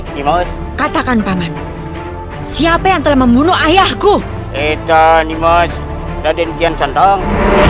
ini mas katakan paman siapa yang telah membunuh ayahku kita nih mas raden kian santang